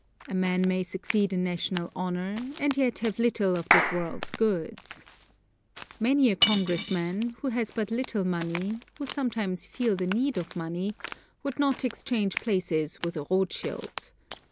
A man may succeed in National honor, and yet have little of this world's goods. Many a Congressman, who has but little money, who sometimes feel the need of money, would not exchange places with a Rothschild.